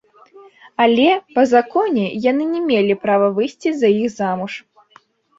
Але, па законе, яны не мелі права выйсці за іх замуж.